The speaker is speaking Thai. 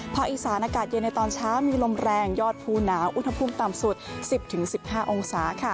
อีสานอากาศเย็นในตอนเช้ามีลมแรงยอดภูหนาวอุณหภูมิต่ำสุด๑๐๑๕องศา